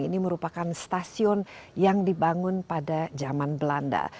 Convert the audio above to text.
ini merupakan stasiun yang dibangun pada zaman belanda